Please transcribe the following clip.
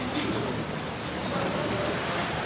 柴田さんはいかがですか。